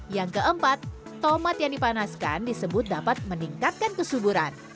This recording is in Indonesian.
yang keempat tomat yang dipanaskan disebut dapat meningkatkan kesuburan